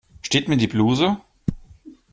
Steht mir die Bluse?